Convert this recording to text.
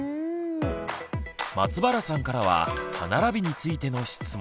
松原さんからは歯並びについての質問。